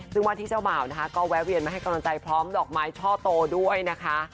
ซึ่งว่าที่เจ้าบ่าวนะคะก็แวะเวียนมาให้กำลังใจพร้อมดอกไม้ช่อโตด้วยนะคะ